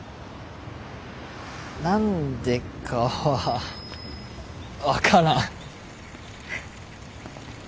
何でかは分からん。